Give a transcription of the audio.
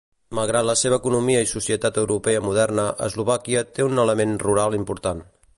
Malgrat la seva economia i societat europea moderna, Eslovàquia té un element rural important.